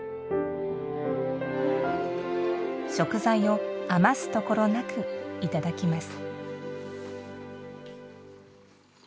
食材を余すところなく頂きます。